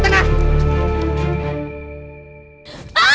kita juga kabur aja deh